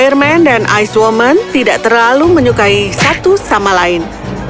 airman dan ice woman tidak terlalu menyukai satu sama lain